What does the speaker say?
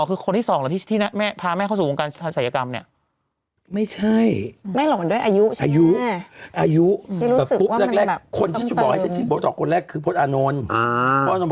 คือยากให้มันย้วยแล้วเข้าไปทำ